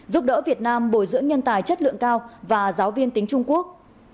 giúp đỡ việt nam bồi dưỡng nhân tài chất lượng cao và giáo viên tính trung quốc